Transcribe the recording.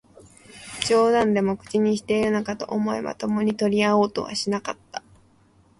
冗談でも口にしているのかと思い、まともに取り合おうとはしなかった